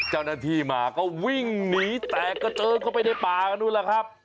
เจ้าหน้าที่มาก็วิ่งหนีแตกกระเจิงเข้าไปในป่ากันนู่นล่ะครับ